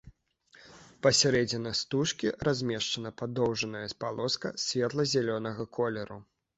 Пасярэдзіне стужкі размешчана падоўжная палоска светла-зялёнага колеру.